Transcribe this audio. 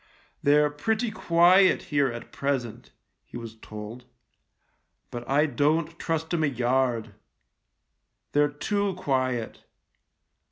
" They're pretty quiet here at present," he was told, " but I don't trust 'em a yard. They're too quiet.